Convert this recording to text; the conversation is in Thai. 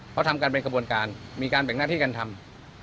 เขาทำกันเป็นกระบวนการมีการแบ่งหน้าที่การทำ